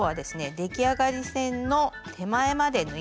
出来上がり線の手前まで縫います。